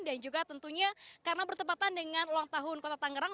juga tentunya karena bertempatan dengan ulang tahun kota tangerang